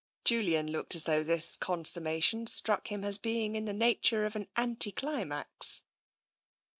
Julian looked as though this consummation struck him as being in the nature of an anti climax.